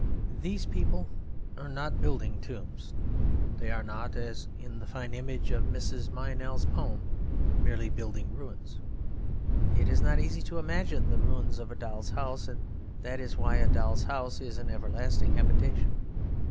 These people are not building tombs; they are not, as in the fine image of Mrs. Meynell's poem, merely building ruins. It is not easy to imagine the ruins of a doll's house; and that is why a doll's house is an everlasting habitation.